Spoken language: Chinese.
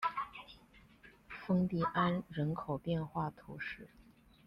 丰蒂安人口变化图示